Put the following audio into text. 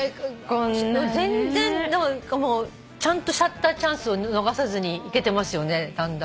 全然ちゃんとシャッターチャンスを逃さずにいけてますよねだんだん。